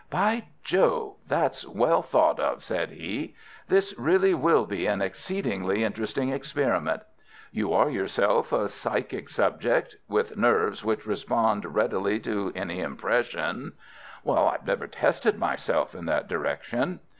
"By Jove, that's well thought of," said he. "This really will be an exceedingly interesting experiment. You are yourself a psychic subject—with nerves which respond readily to any impression." "I have never tested myself in that direction."